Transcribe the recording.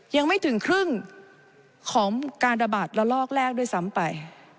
ยังไม่ถึงครึ่งของการระบาดระลอกแรกด้วยซ้ำไป